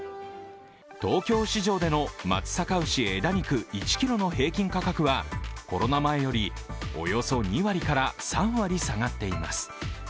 東京市場での松阪牛枝肉１ｋｇの平均価格はコロナ前よりおよそ２割から３割下がっています。